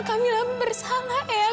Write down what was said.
kamila bersalah ayah